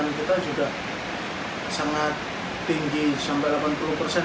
karena penurunan kita juga sangat tinggi sampai delapan puluh persen